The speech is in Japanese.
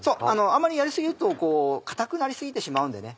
あんまりやり過ぎるとかたくなり過ぎてしまうんでね